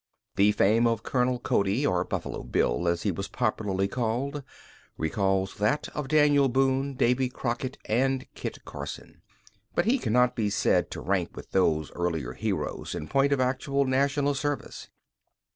The fame of Colonel Cody, or Buffalo Bill as he was popularly called, recalls that of Daniel Boone, Davy Crockett, and Kit Carson, but he cannot be said to rank with those earlier heroes in point of actual national service.